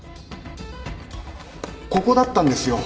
ここだったんですよ。